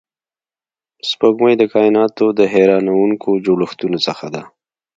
سپوږمۍ د کایناتو د حیرانونکو جوړښتونو څخه ده